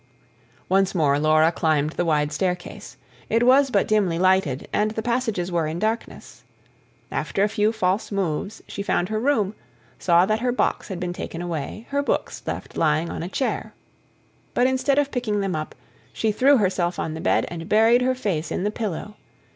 Once more Laura climbed the wide staircase: it was but dimly lighted, and the passages were in darkness. After a few false moves she found her room, saw that her box had been taken away, her books left lying [P.51] on a chair. But instead of picking them up, she threw herself on her bed and buried her face in the pillow.